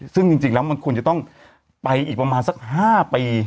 ซึ่งจริงแล้วมันควรจะต้องไปอีกประมาณสัก๕ปี